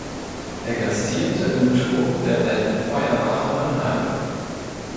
Er gastierte im Turm der Alten Feuerwache Mannheim.